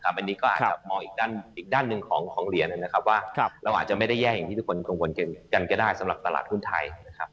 อันนี้ก็อาจจะมองอีกด้านอีกด้านหนึ่งของเหรียญนะครับว่าเราอาจจะไม่ได้แย่อย่างที่ทุกคนกังวลกันก็ได้สำหรับตลาดหุ้นไทยนะครับ